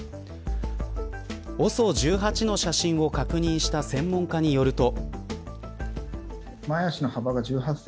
ＯＳＯ１８の写真を確認した専門家によると。